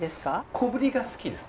小ぶりが好きです。